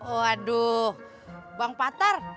waduh bang patar